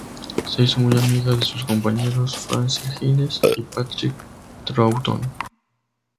Se hizo muy amiga de sus compañeros, Frazer Hines y Patrick Troughton.